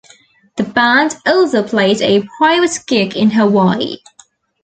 The band also played a private gig in Hawaii.